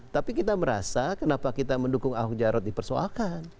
tapi kita merasa kenapa kita mendukung ahok jarot dipersoalkan